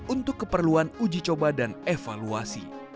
untuk keperluan uji coba dan evaluasi